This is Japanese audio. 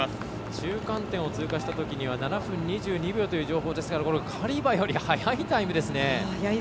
中間点を通過したときには７分２２秒という情報でしたのでカリバより速いタイムですね。